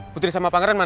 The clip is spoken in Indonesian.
putri sama pangeran mana